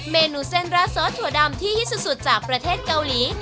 เมนูเส้นราดซอสถั่วดำที่ฮิตสุดจากประเทศเกาหลี